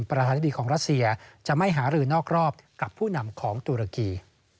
ประธานธิบดีของรัสเซียจะไม่หารือนอกรอบกับผู้นำของตุรกี